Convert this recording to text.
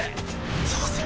どうする？